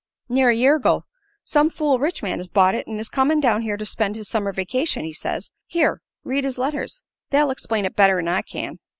"Near a year ago. Some fool rich man has bought it and is comin' down here to spend his summer vacation, he says. Here, read his letters. They'll explain it better 'n I can."